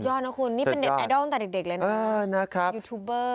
นะคุณนี่เป็นเน็ตไอดอลตั้งแต่เด็กเลยนะยูทูบเบอร์